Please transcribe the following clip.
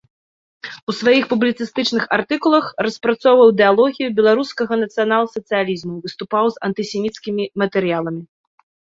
У сваіх публіцыстычных артыкулах распрацоўваў ідэалогію беларускага нацыянал-сацыялізму, выступаў з антысеміцкімі матэрыяламі.